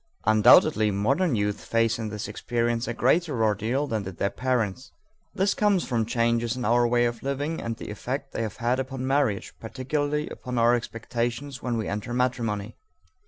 Undoubtedly modern youth face in this experience a greater ordeal than did their parents. This comes about from changes in our way of living and the effect they have had upon marriage, particularly upon our expectations when we enter matrimony.